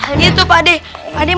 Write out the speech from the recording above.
ratelah itu isi permisi